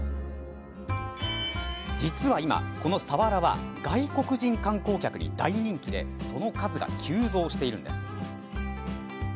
実は今、この佐原は外国人観光客に大人気でその数が急増しているんです。